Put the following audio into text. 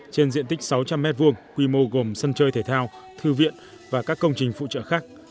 trên diện tích sáu trăm linh m hai quy mô gồm sân chơi thể thao thư viện và các công trình phụ trợ khác